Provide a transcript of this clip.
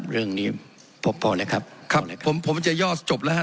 เรื่องนี้พอพอแล้วครับครับผมผมจะยอดจบแล้วฮะ